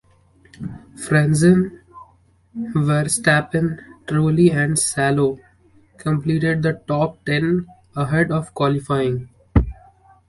Frentzen, Verstappen, Trulli and Salo completed the top ten ahead of qualifying.